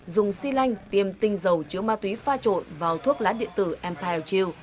dùng si lanh tiêm tinh dầu chứa ma túy pha trộn vào thuốc lá điện tử empire chill